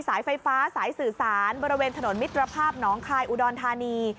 สายไฟฟ้าสายสื่อสารบริเวณถนนมิตรภาพน้องคายอุดรธานี